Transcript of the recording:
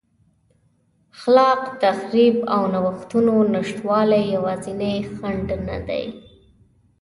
خلاق تخریب او نوښتونو نشتوالی یوازینی خنډ نه دی.